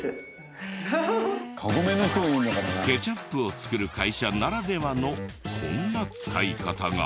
ケチャップを作る会社ならではのこんな使い方が。